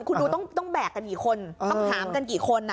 คุณดูต้องแบกกันกี่คนต้องถามกันกี่คน